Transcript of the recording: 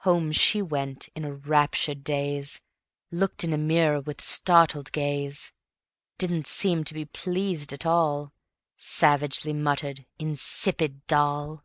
Home she went in a raptured daze, Looked in a mirror with startled gaze, Didn't seem to be pleased at all; Savagely muttered: "Insipid Doll!"